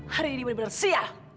hari ini bener bener sia